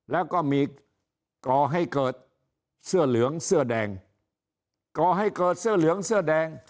แล้วก็มีก่อให้เกิดเสื้อเหลืองเสื้อแดงก่อให้เกิดเสื้อเหลืองเสื้อแดง